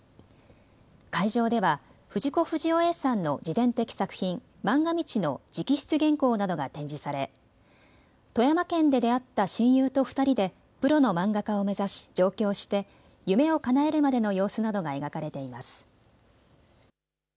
会場では藤子不二雄Ａさんの自伝的作品、まんが道の直筆原稿などが展示され、富山県で出会った親友と２人でプロの漫画家を目指し上京して夢をかなえるまでの様子などが描かれています。